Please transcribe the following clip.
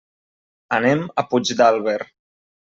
Anem a Puigdàlber.